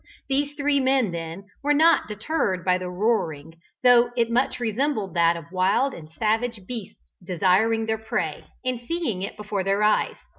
These three men, then, were not deterred by the roaring, though it much resembled that of wild and savage beasts desiring their prey, and seeing it before their eyes.